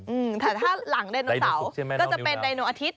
อืมถ้าหลังดายโนเสาก็จะเป็นดายโนอาทิตย์